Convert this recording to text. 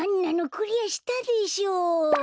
クリアしたでしょ。